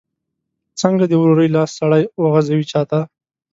څنګه د ورورۍ لاس سړی وغځوي چاته؟